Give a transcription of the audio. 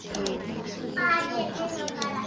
伊韦尔东上贝勒蒙的总面积为平方公里。